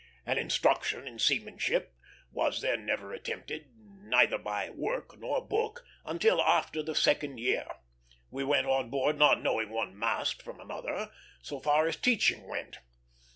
As instruction in seamanship was then never attempted, neither by work nor book, until after the second year, we went on board not knowing one mast from another, so far as teaching went.